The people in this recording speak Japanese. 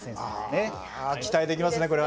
ああ期待できますね